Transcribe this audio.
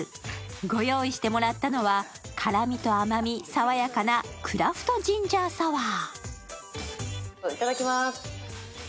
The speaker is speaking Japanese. ご用意してもらったのは、辛みと甘み、さわやかなクラフトジンジャーサワー。